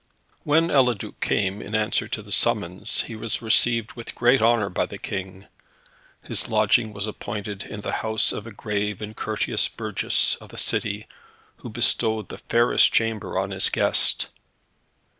When Eliduc came in answer to the summons, he was received with great honour by the King. His lodging was appointed in the house of a grave and courteous burgess of the city, who bestowed the fairest chamber on his guest.